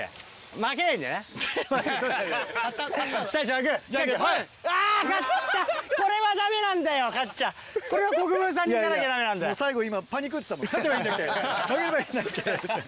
負ければいいんだっけ？」